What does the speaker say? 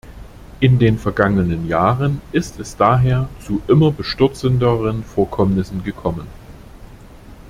In den vergangenen Jahren ist es daher zu immer bestürzenderen Vorkommnissen gekommen.